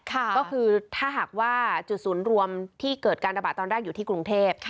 ก็คือถ้าหากว่าจุดศูนย์รวมที่เกิดการระบาดตอนแรกอยู่ที่กรุงเทพ